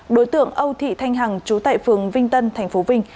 đối tượng âu thị thanh hằng trú tại phường vinh tân tp vinh